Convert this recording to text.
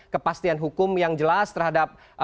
kepastian hukum yang jelas terhadap